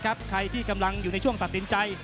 ใครที่กำลังอยู่ในช่วงตัดสินใจ